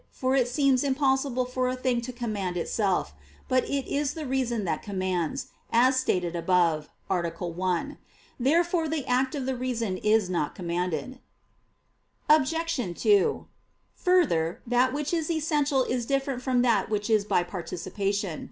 For it seems impossible for a thing to command itself. But it is the reason that commands, as stated above (A. 1). Therefore the act of the reason is not commanded. Obj. 2: Further, that which is essential is different from that which is by participation.